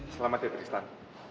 selamat ya tristan